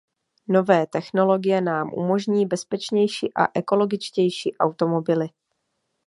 Nové technologie nám umožní bezpečnější a ekologičtější automobily.